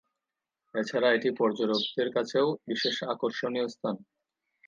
এছাড়া এটি পর্যটকদের কাছেও বিশেষ আকর্ষণীয় স্থান।